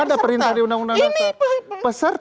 ada perintah di undang undang dasar